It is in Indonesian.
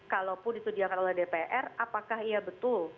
kalaupun disediakan oleh dpr apakah iya betul